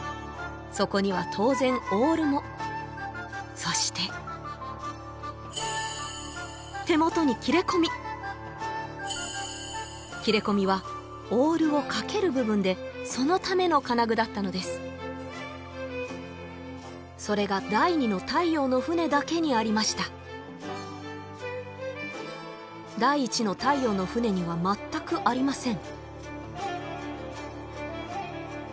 そこには当然オールもそして手もとに切れ込み切れ込みはオールをかける部分でそのための金具だったのですそれが第二の太陽の船だけにありました第一の太陽の船には全くありません